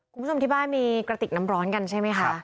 คุณผู้ชมที่บ้านมีกระติกน้ำร้อนกันใช่ไหมคะ